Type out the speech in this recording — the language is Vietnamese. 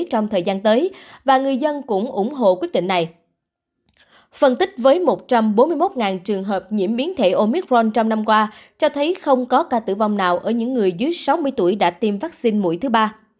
bốn mươi một trường hợp nhiễm biến thể omicron trong năm qua cho thấy không có ca tử vong nào ở những người dưới sáu mươi tuổi đã tiêm vaccine mũi thứ ba